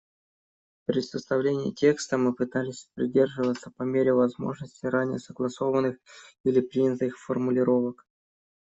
При составлении текста мы пытались придерживаться по мере возможности ранее согласованных или принятых формулировок.